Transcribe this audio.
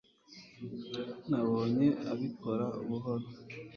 nabonye abikora buhoro